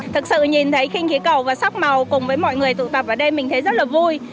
thực sự nhìn thấy khinh khí cầu và sắc màu cùng với mọi người tụ tập ở đây mình thấy rất là vui